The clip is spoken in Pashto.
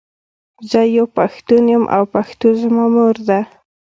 زۀ یو پښتون یم او پښتو زما مور ده.